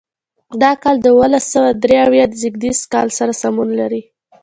دا کال د اوولس سوه درې اویا زېږدیز کال سره سمون لري.